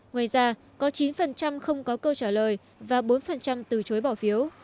ngoài ra có chín không có câu trả lời và bốn từ chối bỏ phiếu